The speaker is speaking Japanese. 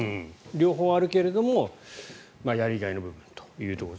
両方あるけれどもやりがいの部分というところ。